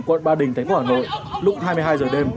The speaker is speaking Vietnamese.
quận ba đình thái quốc hà nội lúc hai mươi hai h đêm